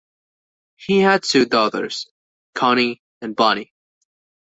He had two daughters, Connie and Bonnie.